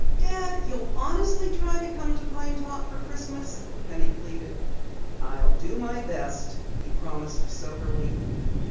"Dad, you'll honestly try to come to Pine Top for Christmas?" Penny pleaded. "I'll do my best," he promised soberly.